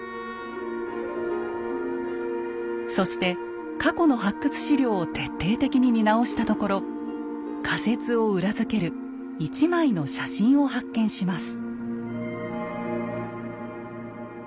そして過去の発掘資料を徹底的に見直したところ仮説を裏付ける一枚の写真を発見します。